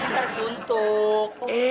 eh jangan suntuk suntuk banyak cewek cewek